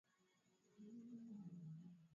ongeza maji kwenye maharage yote